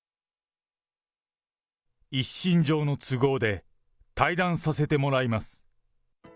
一身上の都合で退団させてもらいます。